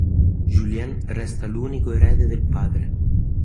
Julien resta l'unico erede del padre.